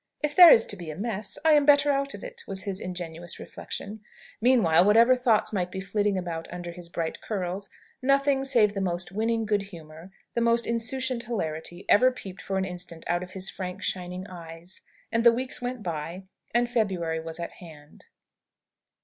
"If there is to be a mess, I am better out of it," was his ingenuous reflection. Meanwhile, whatever thoughts might be flitting about under his bright curls, nothing, save the most winning good humour, the most insouciant hilarity, ever peeped for an instant out of his frank, shining eyes. And the weeks went by, and February was at hand.